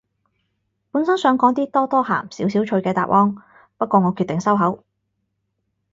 本身想講啲多多鹹少少趣嘅答案，不過我決定收口